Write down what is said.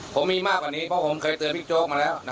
ผมมีมากกว่านี้เพราะผมเคยเตือนบิ๊กโจ๊กมาแล้ว